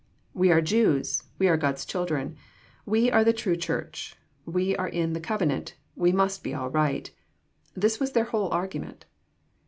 ^^We are Jews. We are Gk>d's children. We are the true Church. We are in the covenant. We must be all right." This was their whole argument